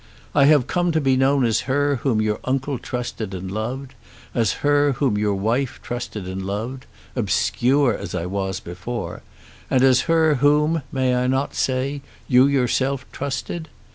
I have come to be known as her whom your uncle trusted and loved, as her whom your wife trusted and loved, obscure as I was before; and as her whom, may I not say, you yourself trusted?